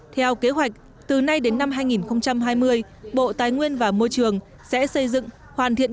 theo kế hoạch từ nay đến năm hai nghìn hai mươi bộ tài nguyên và môi trường sẽ xây dựng hoàn thiện